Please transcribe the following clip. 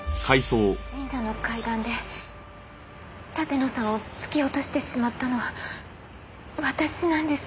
神社の階段で立野さんを突き落としてしまったのは私なんです。